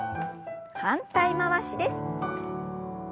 反対回しです。